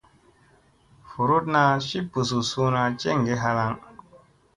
Vuruɗna ci ɓusu suuna jeŋge halaŋ.